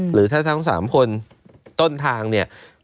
หรือถ้าทั้ง๓คนต้นทางเนี่ย